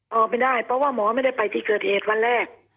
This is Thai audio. ออกไม่ได้เพราะว่าหมอไม่ได้ไปที่เกิดเหตุวันแรก